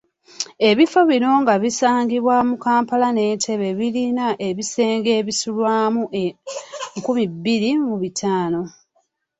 Ebifo bino nga bisangibwa mu Kampala ne Ntebbe birina ebisenge ebisulwamu nkumi bbiri mu bitaano.